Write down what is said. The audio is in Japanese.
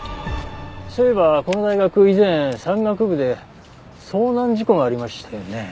そういえばこの大学以前山岳部で遭難事故がありましたよね。